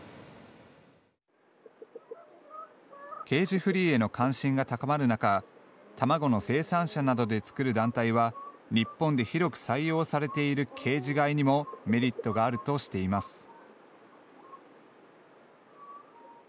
ケージフリーへの関心が高まるなか卵の生産者などでつくる団体は日本で広く採用されているケージ飼いにもメリットがあるとしています。